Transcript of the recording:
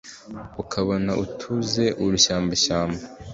Ukabona utuze urushyambashyamba!"